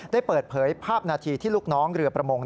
ได้เปิดเผยภาพนาทีที่ลูกน้องเรือประมง